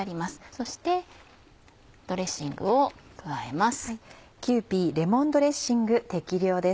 そしてドレッシングを加えます。